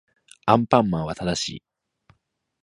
アンパンマンは正しい